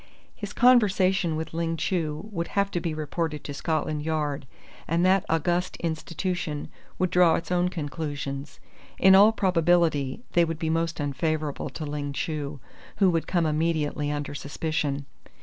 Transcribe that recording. His conversation with Ling Chu would have to be reported to Scotland Yard, and that august institution would draw its own conclusions. In all probability they would be most unfavourable to Ling Chu, who would come immediately under suspicion.